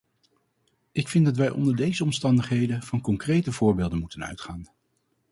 Ik vind dat wij onder deze omstandigheden van concrete voorbeelden moeten uitgaan.